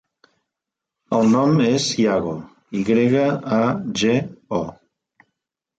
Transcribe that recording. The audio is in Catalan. El nom és Yago: i grega, a, ge, o.